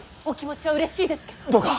お気持ちはうれしいですけど。